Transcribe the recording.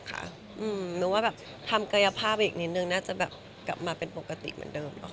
นึกว่าโอเคโอเคมากเลยนะคะนึกว่าแบบทำกายภาพอีกนิดนึงน่าจะแบบกลับมาเป็นปกติเหมือนเดิมแล้วค่ะ